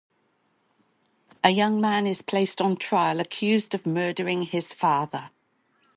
A young man is placed on trial accused of murdering his father.